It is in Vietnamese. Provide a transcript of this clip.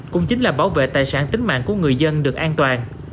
cũng chính là bảo vệ tài sản tính mạng của người dân được an toàn